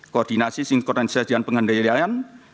koordinasi sinkronisasi dan pengendalian